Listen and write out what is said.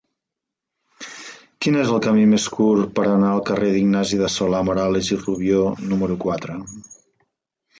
Quin és el camí més curt per anar al carrer d'Ignasi de Solà-Morales i Rubió número quatre?